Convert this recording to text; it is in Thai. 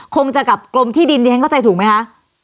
คงจะกับกรมที่ดินที่ฉันเข้าใจถูกไหมคะ